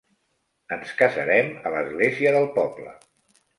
Ens casarem a l'església del poble.